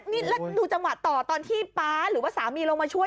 นี่แล้วดูจังหวะต่อตอนที่ป๊าหรือว่าสามีลงมาช่วย